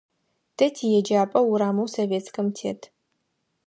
Тэ тиеджапӏэ урамэу Советскэм тет.